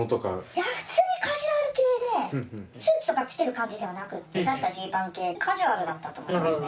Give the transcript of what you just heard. いや普通にカジュアル系でスーツとか着てる感じではなくジーパン系カジュアルだったと思いますね。